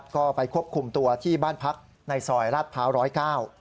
ก็ไปควบคุมตัวที่บ้านพักในซอยราชพาว๑๐๙